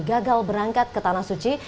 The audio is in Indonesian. gagal berangkat ke tanah suci